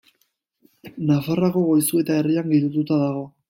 Nafarroako Goizueta herrian girotuta dago.